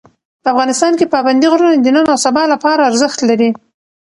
افغانستان کې پابندي غرونه د نن او سبا لپاره ارزښت لري.